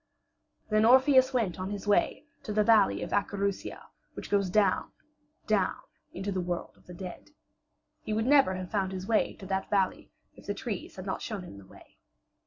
Then Orpheus went on his way to the valley of Acherusia which goes down, down into the world of the dead. He would never have found his way to that valley if the trees had not shown him the way.